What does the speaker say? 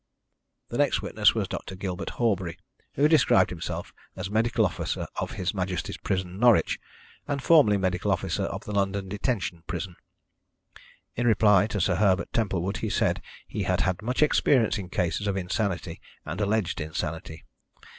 The next witness was Dr. Gilbert Horbury, who described himself as medical officer of His Majesty's prison, Norwich, and formerly medical officer of the London detention prison. In reply to Sir Herbert Templewood, he said he had had much experience in cases of insanity and alleged insanity.